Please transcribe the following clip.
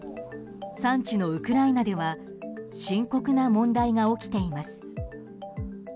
産地のウクライナでは深刻な問題が起きています。